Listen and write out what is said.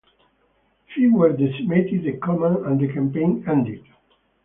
Fever decimated the command and the campaign ended.